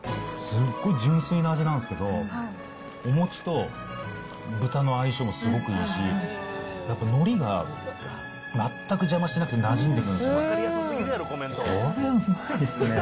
すごい純粋な味なんですけど、お餅と豚の相性もすごくいいし、やっぱのりが全く邪魔しなくてなじんでくるんですよ。